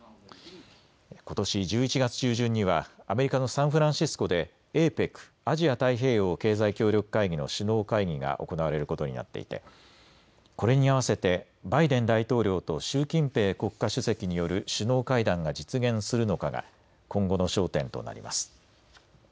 ことし１１月中旬にはアメリカのサンフランシスコでＡＰＥＣ・アジア太平洋経済協力会議の首脳会議が行われることになっていてこれに合わせてバイデン大統領と習近平国家主席による首脳会談が実現するのかが今後の焦点となります。